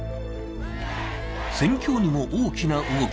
戦況にも大きな動き。